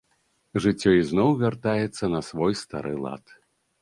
Жыццё ізноў вяртаецца на свой стары лад.